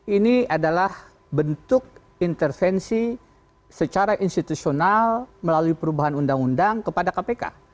ini adalah bentuk intervensi secara institusional melalui perubahan undang undang kepada kpk